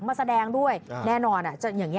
มาแสดงด้วยแน่นอน